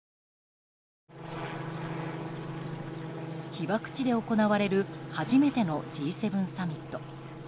被爆地で行われる初めてのＧ７サミット。